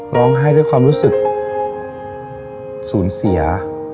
ด้วยความรู้สึกสูญเสีย